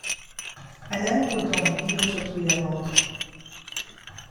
Alain Godon vit aujourd'hui à Londres.